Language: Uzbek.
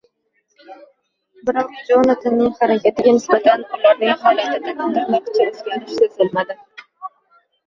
biroq Jonatanning harakatiga nisbatan ularning holatida tirnoqcha o‘zgarish sezilmadi.